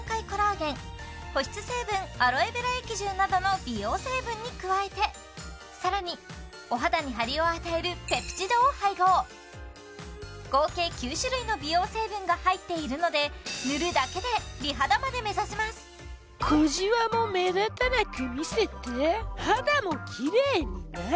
コラーゲン保湿成分アロエベラ液汁などの美容成分に加えて更にお肌にハリを与えるペプチドを配合合計９種類の美容成分が入っているので塗るだけで美肌まで目指せますそうよね